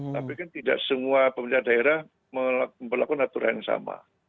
tapi kan tidak semua pemerintah daerah melakukan aturan yang sama